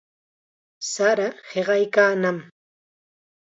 Sara hiqaykannam.